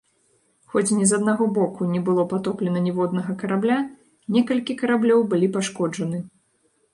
Хоць ні з аднаго боку не было патоплена ніводнага карабля, некалькі караблёў былі пашкоджаны.